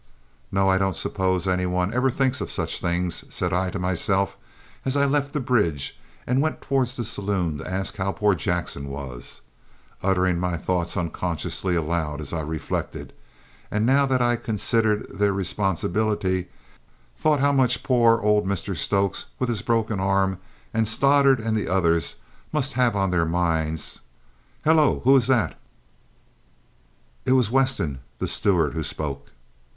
"No, I don't suppose any one even thinks of such things," said I to myself as I left the bridge and went towards the saloon to ask how poor Jackson was, uttering my thoughts unconsciously aloud as I reflected, and now that I considered their responsibility, thought how much poor old Mr Stokes, with his broken arm, and Stoddart and the others must have on their minds! "Hullo, who is that?" It was Weston, the steward, who spoke.